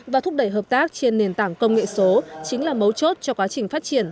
và thúc đẩy hợp tác trên nền tảng công nghệ số chính là mấu chốt cho quá trình phát triển